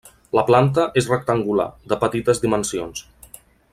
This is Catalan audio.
La planta és rectangular, de petites dimensions.